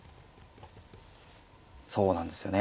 そうなんですよね